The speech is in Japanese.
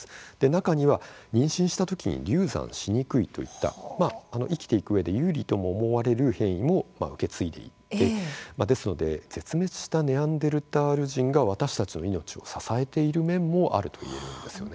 中には妊娠した時に流産しにくいといった、生きていくうえで有利とも思われる変異も受け継いでいって、ですので絶滅したネアンデルタール人が私たちの命を支えている面もあるといえるんですよね。